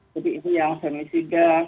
jadi ini yang femisida